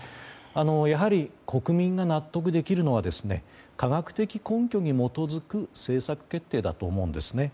やはり国民が納得できるのは科学的根拠に基づく政策決定だと思うんです。